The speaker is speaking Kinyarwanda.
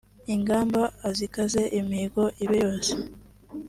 ingamba azikaze imihigo ibe yose